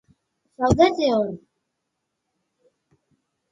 Zaudete hor!